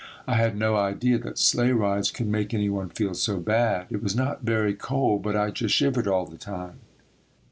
I had no idea that sleigh rides could make any one feel so bad. It was not very cold, but I just shivered all the time.